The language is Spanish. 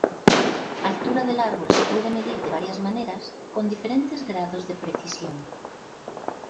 Altura del árbol se puede medir de varias maneras con diferentes grados de precisión.